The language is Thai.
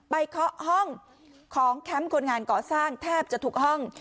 เคาะห้องของแคมป์คนงานก่อสร้างแทบจะทุกห้อง